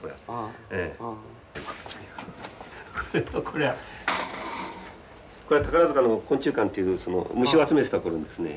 これは宝塚の昆虫館という虫を集めてたころのですね。